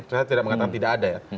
saya tidak mengatakan tidak ada ya